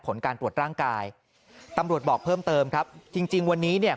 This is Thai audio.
ผลการตรวจร่างกายตำรวจบอกเพิ่มเติมครับจริงจริงวันนี้เนี่ย